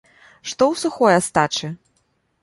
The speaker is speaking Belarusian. Што ў сухой астачы?